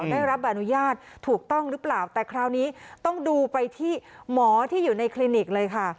ได้รับอนุญาตถูกต้องหรือเปล่าแต่คราวนี้ต้องดูไปที่หมอที่อยู่ในคลินิกเลยค่ะ